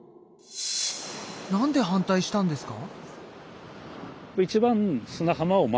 なんで反対したんですか？